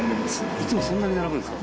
いつもそんなに並ぶんですか？